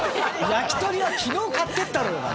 焼き鳥は昨日買っていったろお前。